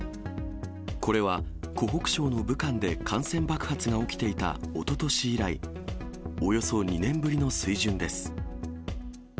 これは湖北省の武漢で感染爆発が起きていたおととし以来、およそ２年ぶりの水準です。